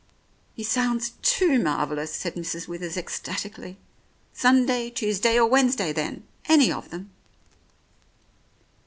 "He sounds too marvellous," said Mrs. Withers ecstatically. "Sunday, Tuesday or Wednesday then. Any of them."